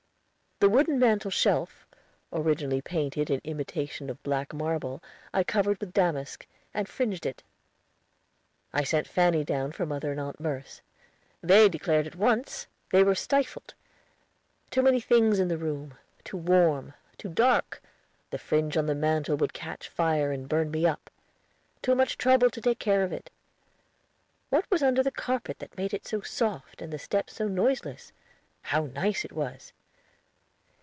The wooden mantel shelf, originally painted in imitation of black marble, I covered with damask, and fringed it. I sent Fanny down for mother and Aunt Merce. They declared, at once, they were stifled; too many things in the room; too warm; too dark; the fringe on the mantel would catch fire and burn me up; too much trouble to take care of it. What was under the carpet that made it so soft and the steps so noiseless? How nice it was!